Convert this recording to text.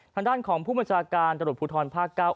ทางด้านของผู้บัญชาการจัดรถผูทรภักดิ์๙